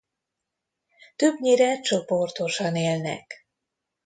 Többnyire csoportosan élnek.